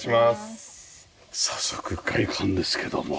早速外観ですけども。